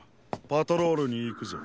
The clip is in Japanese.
パトロールにいくぞ。